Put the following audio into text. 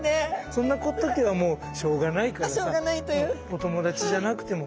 そんな時はもうしょうがないからさお友達じゃなくてもいい。